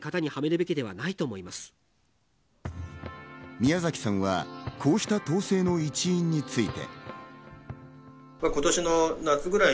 宮崎さんはこうした統制の一因について。